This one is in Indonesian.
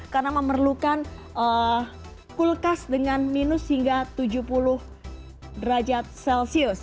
karena memerlukan kulkas dengan minus hingga tujuh puluh derajat celcius